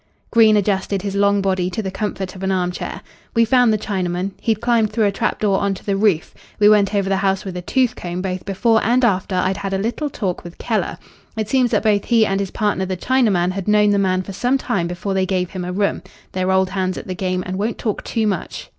Green adjusted his long body to the comfort of an arm chair. "We found the Chinaman. He'd climbed through a trap door on to the roof. We went over the house with a tooth comb, both before and after I'd had a little talk with Keller. It seems that both he and his partner the Chinaman had known the man for some time before they gave him a room. They're old hands at the game and won't talk too much.